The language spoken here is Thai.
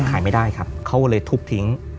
ขายไม่ได้ครับเขาเลยทุบทิ้ง